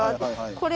これ！